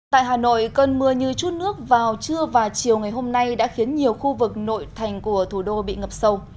tại hà nội cơn mưa như chút nước vào trưa và chiều ngày hôm nay đã khiến nhiều khu vực nội thành của thủ đô bị ngập sâu